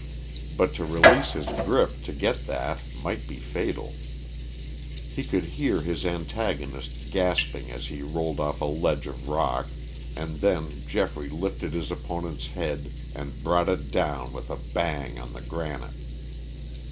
But to release his grip to get that might be fatal. He could hear his antagonist gasping as he rolled off a ledge of rock, and then Geoffrey lifted his opponent's head and brought it down with a bang on the granite.